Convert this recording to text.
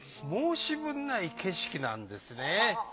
申し分ない景色なんですね。